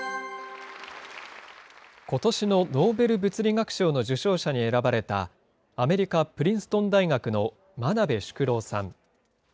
ことしのノーベル物理学賞の受賞者に選ばれた、アメリカ・プリンストン大学の真鍋淑郎さん。